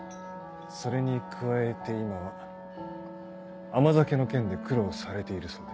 それに加えて今は甘酒の件で苦労されているそうで。